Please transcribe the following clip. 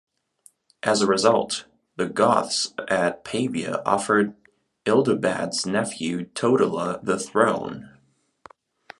As a result, the Goths at Pavia offered Ildibad's nephew Totila the throne.